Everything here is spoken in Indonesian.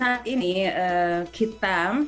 ya terima kasih bagus sekali pertanyaannya